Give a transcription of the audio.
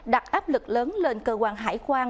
đặt áp lực lớn lên cơ quan hải quan